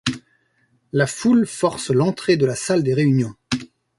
La foule force l'entrée de la salle des réunions.